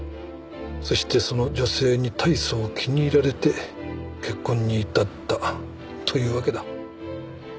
そしてその女性に大層気に入られて結婚に至ったというわけだ。